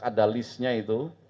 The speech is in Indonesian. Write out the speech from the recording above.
ada list nya itu